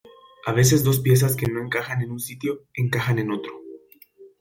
a veces dos piezas que no encajan en un sitio , encajan en otro .